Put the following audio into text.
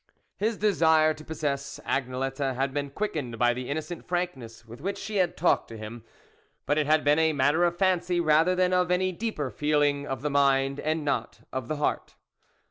His desire to possess Agnelette had been quickened by the innocent frankness with which she had talked to him ; but it had been a matter of fancy rather than of any deeper feeling, of the mind, and not of the heart.